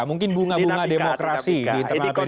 mungkin bunga bunga demokrasi di internal pdi perjuangan